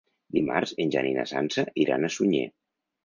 Dimarts en Jan i na Sança iran a Sunyer.